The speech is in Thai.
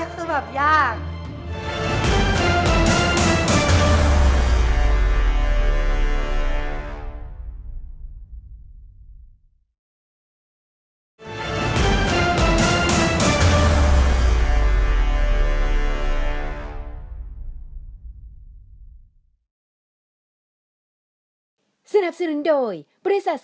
คือแบบยาก